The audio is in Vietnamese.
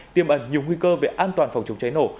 tiêm ẩn nhiều nguy cơ về an toàn phòng chống cháy nổ